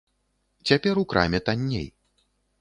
Цяпер у краме танней.